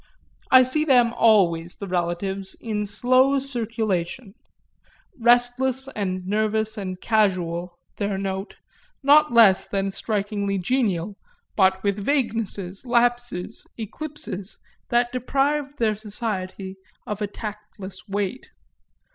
I see them always, the relatives, in slow circulation; restless and nervous and casual their note, not less than strikingly genial, but with vaguenesses, lapses, eclipses, that deprived their society of a tactless weight.